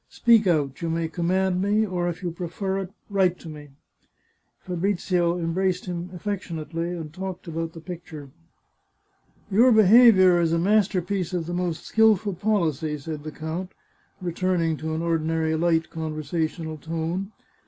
Speak out; you may command me — or, if you prefer it, write to me." Fabrizio embraced him affectionately, and talked about the picture. " Your behaviour is a masterpiece of the most skilful policy," said the count, returning to an ordinary light con versational tone.